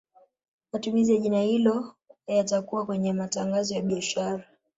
Matumizi ya jina hilo yatakuwa kwenye matangazo ya biashara